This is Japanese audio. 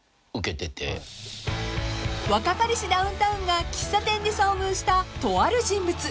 ［若かりしダウンタウンが喫茶店で遭遇したとある人物］